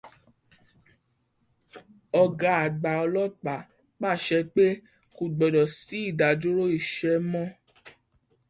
Ọ̀gá àgbà ọlọ́pàá pàṣẹ pé kò gbọdọ̀ sí ìdádúró iṣẹ́ mọ́.